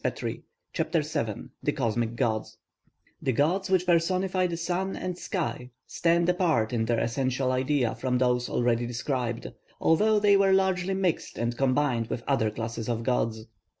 CHAPTER VII THE COSMIC GODS The gods which personify the sun and sky stand apart in their essential idea from those already described, although they were largely mixed and combined with other classes of gods.